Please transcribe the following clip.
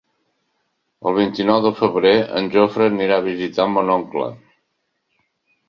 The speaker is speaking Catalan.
El vint-i-nou de febrer en Jofre anirà a visitar mon oncle.